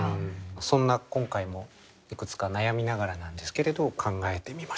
そんな今回もいくつか悩みながらなんですけれど考えてみました。